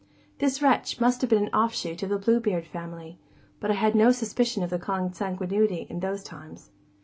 This wretch must have been an off shoot of the Blue Beard family, but I had no suspicion of the consanguinity in those times.